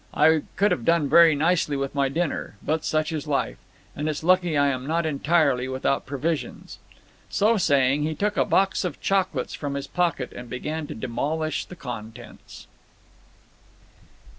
I could have done very nicely with my dinner. But such is life. And it's lucky I am not entirely without provisions." So saying, he took a box of chocolates from his pocket and began to demolish the contents.